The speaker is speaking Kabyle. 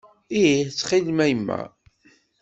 Ih, ttxil-m a yemma.